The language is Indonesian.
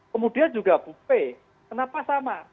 kemudian juga bu p kenapa sama